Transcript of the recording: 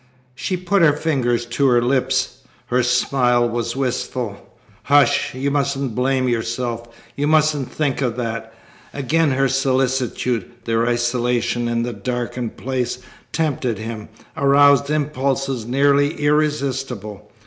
She put her finger to her lips. Her smile was wistful. "Hush! You mustn't blame yourself. You mustn't think of that." Again her solicitude, their isolation in a darkened place, tempted him, aroused impulses nearly irresistible.